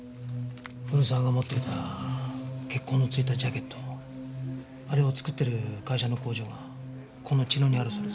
古沢が持っていた血痕の付いたジャケットあれを作ってる会社の工場がこの茅野にあるそうです。